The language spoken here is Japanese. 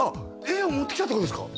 「英」を持ってきたってことですか？